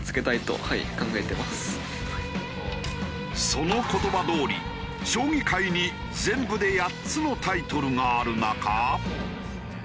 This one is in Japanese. その言葉どおり将棋界に全部で８つのタイトルがある中。